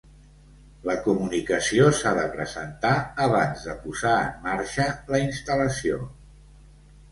La comunicació s'ha de presentar abans de posar en marxa la instal·lació.